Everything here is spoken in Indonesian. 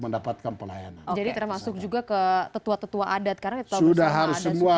mendapatkan pelayanan jadi termasuk juga ke tetua tetua adat karena itu sudah harus semua